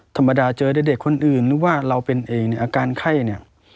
ธรรมดาเจอเด็กคนอื่นหรือว่าเราเป็นเองเนี่ยอาการไข้เนี่ย